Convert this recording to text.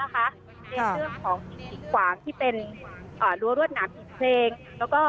ก็คิดขวางที่เป็นอ่ารัวรวดหนักผีเชียงแล้วก็